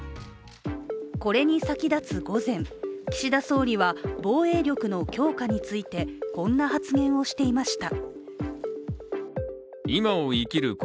これに先立つ午前、岸田総理は防衛力の強化についてこんな発言をしていました。